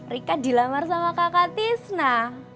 rikat dilamar sama kakak tisna